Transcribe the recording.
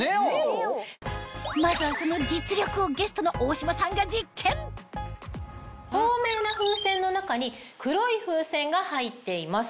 まずはその実力をゲストの大島さんが透明な風船の中に黒い風船が入っています。